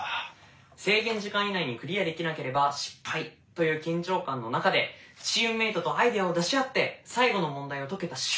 制限時間以内にクリアできなければ失敗という緊張感の中でチームメートとアイデアを出し合って最後の問題を解けた瞬間